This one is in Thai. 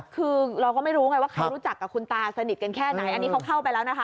คือเราก็ไม่รู้ไงว่าใครรู้จักกับคุณตาสนิทกันแค่ไหนอันนี้เขาเข้าไปแล้วนะคะ